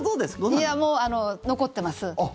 いや、残ってます。